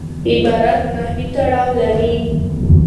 عبارت نحوي تړاو لري.